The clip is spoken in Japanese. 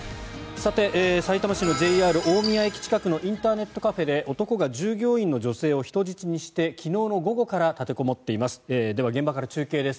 さてさいたま市のＪＲ大宮駅近くのインターネットカフェで男が従業員の女性を人質にして昨日の午後から立てこもっています。